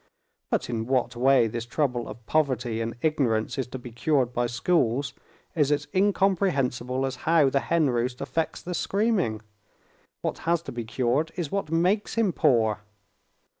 But in what way this trouble of poverty and ignorance is to be cured by schools is as incomprehensible as how the hen roost affects the screaming. What has to be cured is what makes him poor."